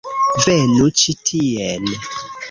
Venu ĉi tien